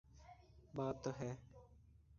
بات تو ہے۔